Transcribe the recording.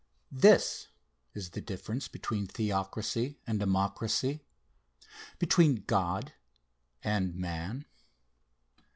This is the difference between Theocracy and Democracy between God and man.